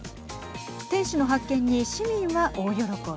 天使の発見に市民は大喜び。